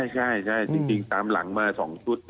ใช่จริงตามหลังมา๒ชุด